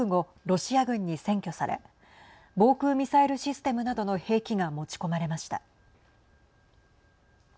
ロシア軍に占拠され防空ミサイルシステムなどの兵器が持ち込まれました。